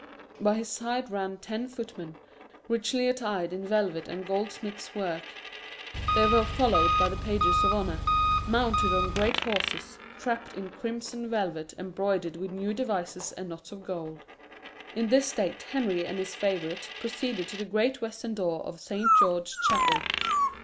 By his side ran ten footmen, richly attired in velvet and goldsmith's work. They were followed by the pages of honour, mounted on great horses, trapped in crimson velvet embroidered with new devices and knots of gold. In this state Henry and his favourite proceeded to the great western door of Saint George's Chapel.